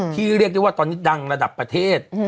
เรียกได้ว่าตอนนี้ดังระดับประเทศ